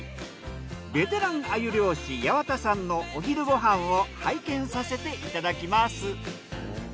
ベテラン鮎漁師矢幡さんのお昼ご飯を拝見させていただきます。